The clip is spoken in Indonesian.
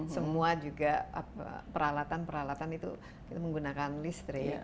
semua juga peralatan peralatan itu menggunakan listrik